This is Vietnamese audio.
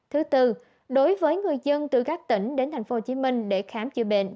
thứ tư đối với người dân từ các tỉnh đến tp hcm để khám chữa bệnh